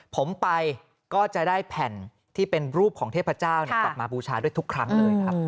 ผมไปก็จะได้แผ่นที่เป็นรูปของเทพเจ้ากลับมาบูชาด้วยทุกครั้งเลยครับ